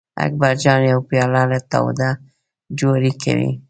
اکبر جان یو پیاله له تاوده جواري کوي.